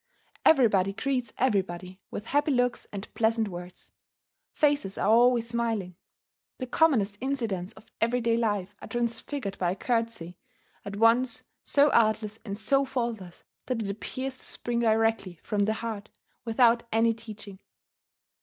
Everybody greets everybody with happy looks and pleasant words; faces are always smiling; the commonest incidents of everyday life are transfigured by a courtesy at once so artless and so faultless that it appears to spring directly from the heart, without any teaching.